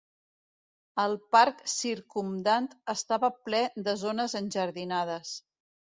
El parc circumdant estava ple de zones enjardinades.